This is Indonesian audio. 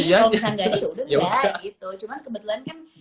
udah gak gitu cuma kebetulan kan